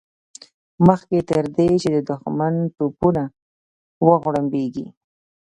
مخکې تر دې چې د دښمن توپونه وغړمبېږي.